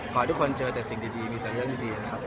ขอให้ทุกคนเจอแต่สิ่งดีมีแต่เรื่องดีนะครับ